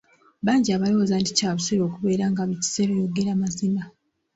Bangi abalowooza nti kya busiru okubeera nga buli kiseera oyogera mazima.